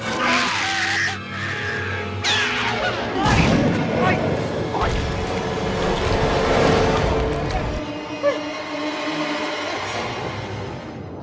โอ้มันก็เกมมันก็เกมมันก็เกม